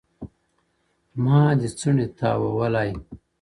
• ما دي څڼي تاوولای,